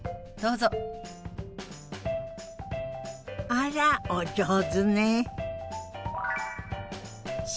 あらお上手ね。